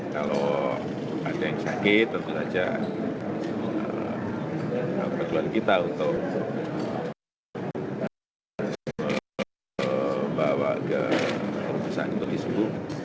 kalau ada yang sakit tentu saja perjalanan kita untuk membawa ke keputusan terorisme